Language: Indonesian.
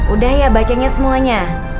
udah ya bacanya semuanya